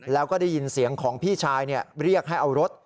แล้วก็ได้ยินเสียงของพี่ชายเรียกให้เอารถ